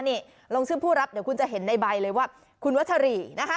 นี่ลงชื่อผู้รับเดี๋ยวคุณจะเห็นในใบเลยว่าคุณวัชรีนะคะ